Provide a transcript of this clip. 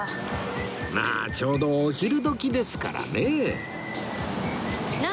まあちょうどお昼時ですからね